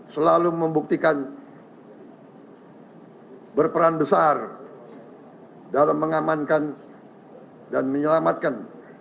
selalu membuktikan berperan besar dalam mengamankan dan menyelamatkan